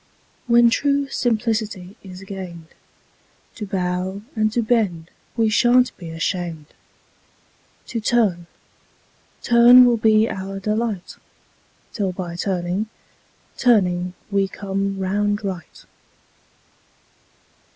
When true simplicity is gain'd, To bow and to bend we shan't be asham'd, To turn, turn will be our delight 'Till by turning, turning we come round right.